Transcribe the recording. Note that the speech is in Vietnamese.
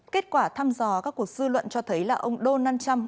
kết quả thăm dò các cuộc dư luận cho thấy là ông donald trump